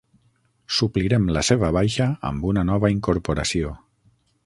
Suplirem la seva baixa amb una nova incorporació.